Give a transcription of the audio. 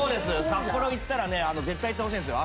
札幌行ったらね絶対行ってほしいんですよ。